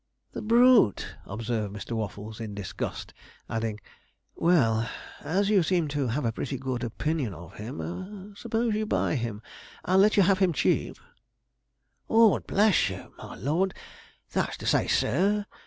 'The brute!' observed Mr. Waffles, in disgust, adding, 'Well, as you seem to have a pretty good opinion of him, suppose you buy him; I'll let you have him cheap.' ''Ord bless you my lord that's to say, sir!'